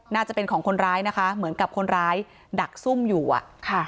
น่าจะเป็นของคนร้ายนะคะเหมือนกับคนร้ายดักซุ่มอยู่อ่ะค่ะ